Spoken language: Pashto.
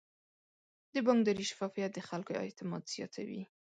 د بانکداري شفافیت د خلکو اعتماد زیاتوي.